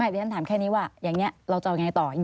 ดิฉันถามแค่นี้ว่าอย่างนี้เราจะเอายังไงต่อ